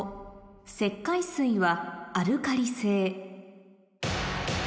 石灰水はアルカリ性